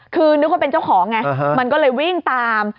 คือนึกว่าเป็นเจ้าของไงมันก็เลยวิ่งตาม